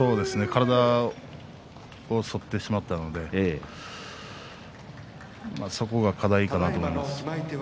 体が反ってしまったのでそこが課題かなと思います。